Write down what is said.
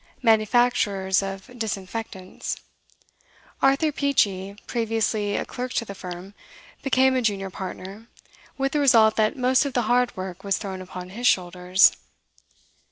manufacturers of disinfectants; Arthur Peachey, previously a clerk to the firm, became a junior partner, with the result that most of the hard work was thrown upon his shoulders.